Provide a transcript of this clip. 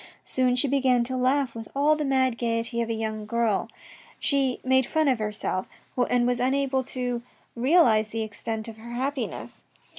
Soon she began to laugh with all the mad gaiety of a young girl, she made fun of herself, and was unable to realise the extent of her happiness.